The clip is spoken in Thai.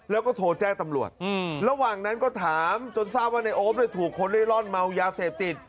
แล้วก็โทรแจ้งตำรวจระหว่างนั้นก็ถามจนทราบว่าในโอ๊ปถูกคนเล่นร่อนเมายาเสพติด